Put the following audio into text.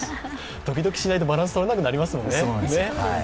時々しないとバランスとれなくなりますもんね。